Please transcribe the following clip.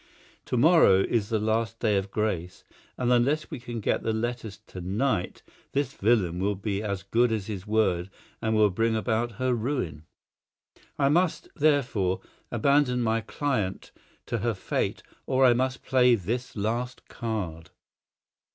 To morrow is the last day of grace, and unless we can get the letters to night this villain will be as good as his word and will bring about her ruin. I must, therefore, abandon my client to her fate or I must play this last card.